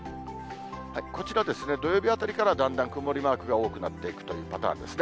こちら、土曜日あたりからだんだん曇りマークが多くなっていくというパターンですね。